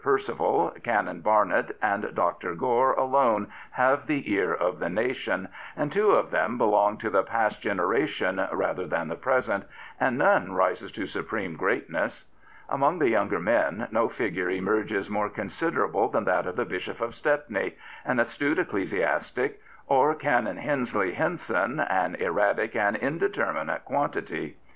Percival, Canon Barnett* and Dr. Gore alone have the ear of the nation, and two of them belong to the past generation rather than the present, and none rises to supreme greatness. Among the younger men no figure emerges more considerable than that of the Bishop of Stepney, an astute ecclesiastic, or Canon Hensley Henson, an erratic and indeterminate quantity.